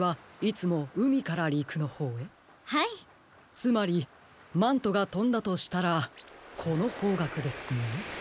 つまりマントがとんだとしたらこのほうがくですね。